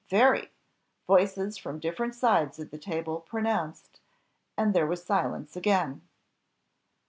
Very!" voices from different sides of the table pronounced; and there was silence again.